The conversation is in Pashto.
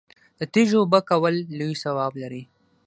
د تږي اوبه کول لوی ثواب لري.